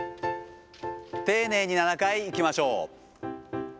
丁寧に７回いきましょう。